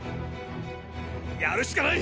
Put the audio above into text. やるしかない！